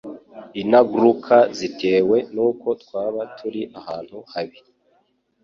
inagruka zitewe n'uko twaba turi ahantu habi